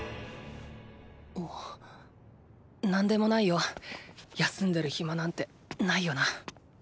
あ何でもないよ。休んでるヒマなんてないよな。